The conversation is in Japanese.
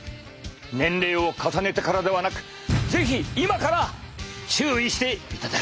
年齢を重ねてからではなく是非今から注意していただきたい。